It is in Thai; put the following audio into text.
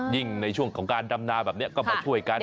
ในช่วงของการดำนาแบบนี้ก็มาช่วยกัน